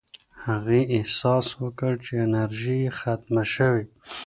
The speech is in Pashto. هغې احساس وکړ چې انرژي یې ختمه شوې.